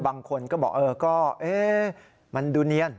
บางคนก็บอกเออก็มันดูเนียน